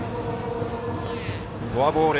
フォアボール。